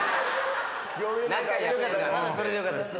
まだそれでよかったです。